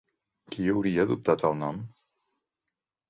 Qui hauria adoptat el nom?